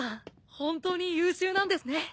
本当に優秀なんですね。